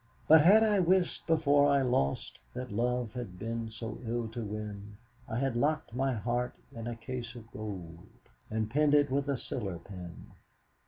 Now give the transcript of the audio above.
"But had I wist, before I lost, That love had been sae ill to win; I had lockt my heart in a case of gowd And pinn'd it with a siller pin....